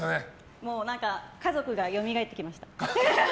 もう家族がよみがえってきました。